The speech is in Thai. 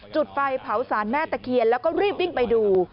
จุดไฟเผาสารแม่ตะเคียนแล้วก็รีบวิ่งไปดู